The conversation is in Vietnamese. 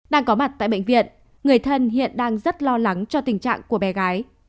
đang có mặt tại bệnh viện người thân hiện đang rất lo lắng cho tình trạng của bé gái